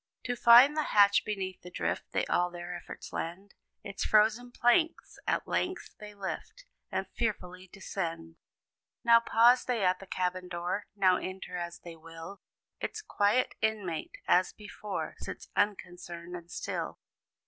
To find the hatch beneath the drift, They all their efforts lend, Its frozen planks at length they lift, And fearfully descend. Now pause they at the cabin door; Now enter, as they will; Its quiet inmate, as before, Sits unconcerned and still.